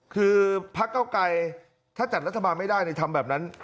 คือพักเก้าไกรถ้าจัดรัฐบาลไม่ได้ทำแบบนั้น